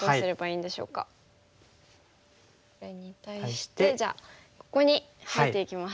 これに対してじゃあここに入っていきます。